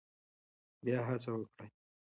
بیا هڅه وکړئ.